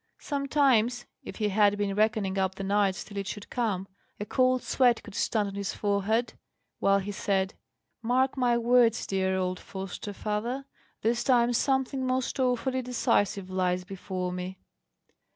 Sometimes, if he had been reckoning up the nights till it should come, a cold sweat would stand on his forehead, while he said, "Mark my words, dear old foster father, this time something most awfully decisive lies before me."